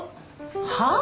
はあ？